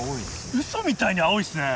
ウソみたいに青いですね。